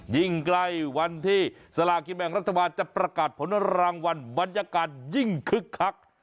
ยิ่งใกล้วันที่สลากินแบ่งรัฐบาลจะประกาศผลรางวัลบรรยากาศยิ่งคึกคัก